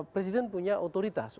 presiden punya otoritas